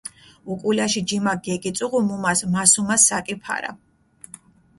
უკულაში ჯიმაქ გეგიწუღუ მუმას მასუმა საკი ფარა.